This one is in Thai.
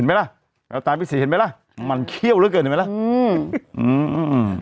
ไหมล่ะเอาตายพี่ศรีเห็นไหมล่ะมันเขี้ยวเหลือเกินเห็นไหมล่ะอืมอืม